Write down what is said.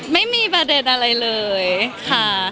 ไม่มีประเด็นอะไรเลยค่ะ